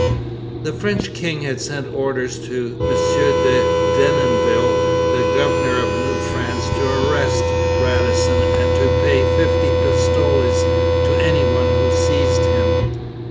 The French king had sent orders to M. de Denonville, the governor of New France, to arrest Radisson and 'to pay fifty pistoles' to anyone who seized him.